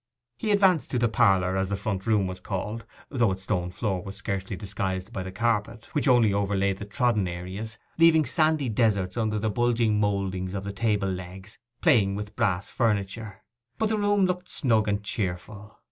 He advanced to the parlour, as the front room was called, though its stone floor was scarcely disguised by the carpet, which only over laid the trodden areas, leaving sandy deserts under the bulging mouldings of the table legs, playing with brass furniture. But the room looked snug and cheerful.